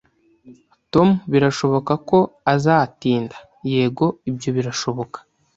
"Tom birashoboka ko azatinda." "Yego, ibyo birashoboka."